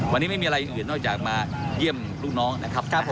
วันนี้ไม่มีอะไรอย่างอื่นนอกจากมาเยี่ยมลูกน้องนะครับ